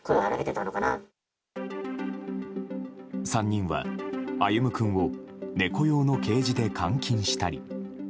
３人は歩夢君を猫用のケージで監禁したり。